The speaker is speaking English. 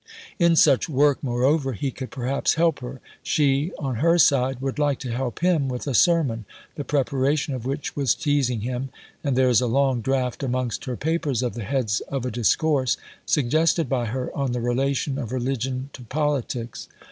In such work, moreover, he could perhaps help her. She, on her side, would like to help him with a sermon, the preparation of which was teasing him, and there is a long draft amongst her papers of the heads of a discourse, suggested by her, on the relation of religion to politics.